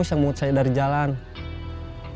hai panggung pulang aja oke